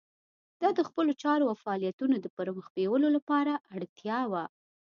دا د خپلو چارو او فعالیتونو د پرمخ بیولو لپاره اړتیا وه.